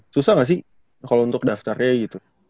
susah gak sih kalau untuk daftarnya gitu